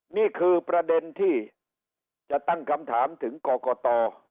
นี่คือประเด็นที่จะตั้งคำถามถึงกรกต